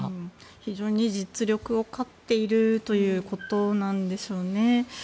非常に実力を買っているということなんでしょうね。